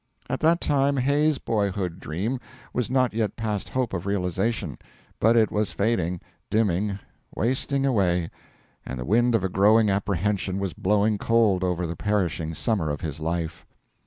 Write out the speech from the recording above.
At that time Hay's boyhood dream was not yet past hope of realisation, but it was fading, dimming, wasting away, and the wind of a growing apprehension was blowing cold over the perishing summer of his life.